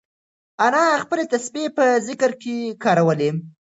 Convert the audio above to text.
انا خپلې تسبیح په ذکر کې کارولې.